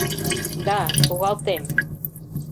— Да, шогалтем!